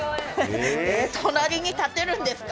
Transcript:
隣に立てるんですか？